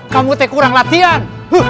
kamu tidak kurang latihan